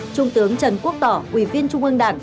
trung tướng trần quốc tỏ ủy viên trung ương đảng